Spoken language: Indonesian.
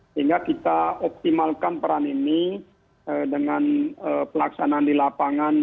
sehingga kita optimalkan peran ini dengan pelaksanaan di lapangan